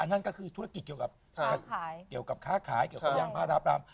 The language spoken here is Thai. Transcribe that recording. นั่นก็คือธุรกิจเกี่ยวกับเกี่ยวกับค่าขายเกี่ยวกับย่างพระราปราม